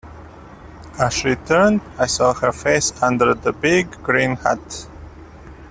As she turned I saw her face under the big green hat.